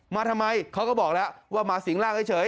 มาทำไมเขาก็บอกแล้วว่ามาสิงร่างเฉย